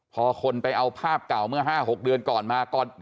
พอคนไปเอาภาพเก่าเมื่อ๕๖เดือนก่อนมา